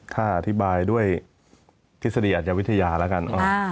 ถ้าอธิบายด้วยทฤษฎีอาจวิทยาแล้วกัน